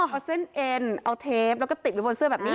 เอาเส้นเอ็นเอาเทปแล้วก็ติดไว้บนเสื้อแบบนี้